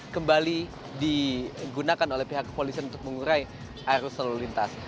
kembali digunakan oleh pihak kepolisian untuk mengurai arus lalu lintas